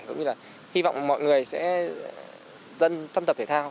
cũng như là hy vọng mọi người sẽ dân thăm tập thể thao